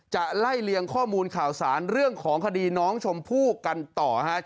ไล่เลียงข้อมูลข่าวสารเรื่องของคดีน้องชมพู่กันต่อฮะ